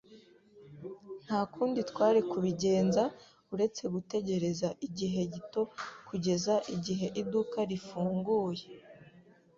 Nta kundi twari kubigenza uretse gutegereza igihe gito kugeza igihe iduka rifunguye.